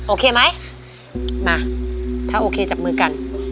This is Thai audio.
โอเคไหมมาถ้าโอเคจับมือกัน